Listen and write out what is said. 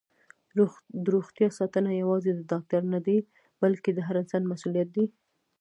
دروغتیا ساتنه یوازې د ډاکټر کار نه دی، بلکې د هر انسان مسؤلیت دی.